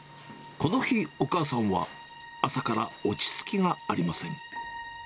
この日、お母さんは、朝から落ち着きがありません。